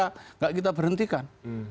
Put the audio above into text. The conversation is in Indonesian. tidak kita berhentikan